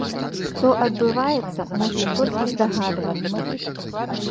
Што адбываецца, можна толькі здагадвацца.